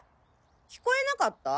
聞こえなかった？